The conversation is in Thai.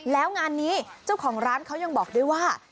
แล้วงานนี้เจ้าของร้านเขายังบอกด้วยว่า